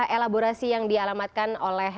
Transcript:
elaborasi yang dialamatkan oleh